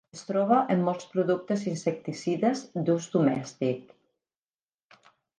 Es troba en molts productes insecticides d'ús domèstic.